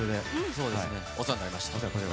そうですね、お世話になりました。